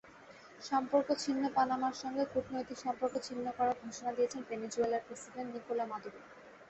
সম্পর্ক ছিন্নপানামার সঙ্গে কূটনৈতিক সম্পর্ক ছিন্ন করার ঘোষণা দিয়েছেন ভেনেজুয়েলার প্রেসিডেন্ট নিকোলা মাদুরো।